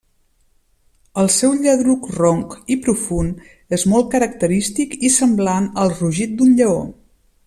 El seu lladruc ronc i profund és molt característic i semblant al rugit del lleó.